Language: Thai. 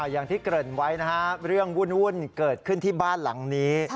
อย่างที่เกริ่นไว้นะฮะเรื่องวุ่นเกิดขึ้นที่บ้านหลังนี้